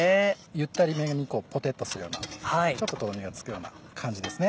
ゆったりめにポテっとするようなちょっととろみがつくような感じですね。